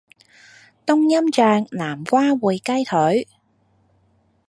冬蔭醬南瓜燴雞腿